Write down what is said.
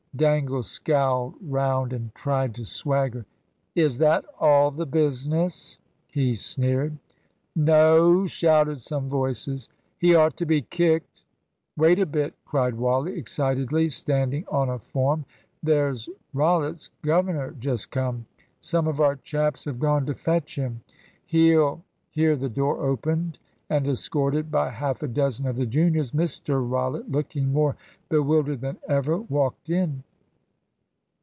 Dangle scowled round and tried to swagger. "Is that all the business?" he sneered. "No!" shouted some voices. "He ought to be kicked." "Wait a bit," cried Wally, excitedly, standing on a form, "there's Rollitt's governor just come. Some of our chaps have gone to fetch him. He'll " Here the door opened, and, escorted by half a dozen of the juniors, Mr Rollitt, looking more bewildered than ever, walked in.